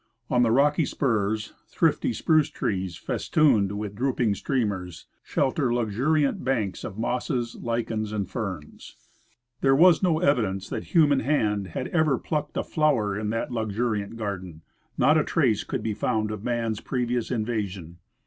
On the rocky spurs, thrifty spruce trees, festooned with drooping streamers, shelter luxuriant banks of mosses, lichens and ferns. There was no evidence that human hand had ever plucked a flower in that luxuriant garden ; not a trace could be found of man's previous invasion.